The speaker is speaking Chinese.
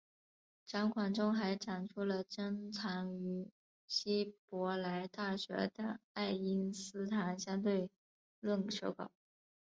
展馆中还展出了珍藏于希伯来大学的爱因斯坦相对论手稿。